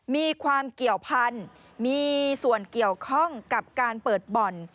มีความเกี่ยวพันธุ์มีส่วนเกี่ยวข้องกับการเปิดบ่อน